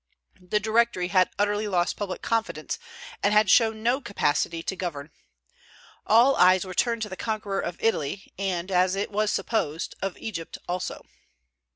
The Directory had utterly lost public confidence, and had shown no capacity to govern. All eyes were turned to the conqueror of Italy, and, as it was supposed, of Egypt also.